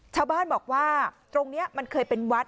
ชาวบ้านบอกว่าตรงนี้มันเคยเป็นวัด